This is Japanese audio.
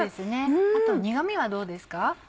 あと苦味はどうですか？